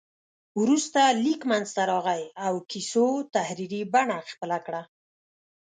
وروسته لیک منځته راغی او کیسو تحریري بڼه خپله کړه.